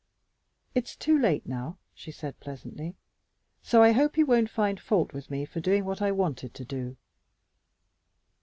"It's too late now," she said pleasantly, "so I hope you won't find fault with me for doing what I wanted to do."